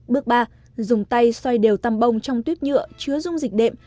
bước ba dùng tay xoay đều tam bông trong tuyếp nhựa chứa dung dịch đệm